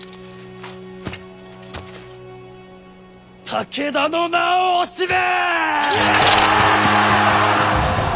武田の名を惜しめ！